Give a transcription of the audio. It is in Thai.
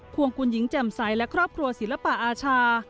วงคุณหญิงแจ่มใสและครอบครัวศิลปะอาชา